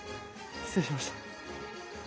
失礼しました。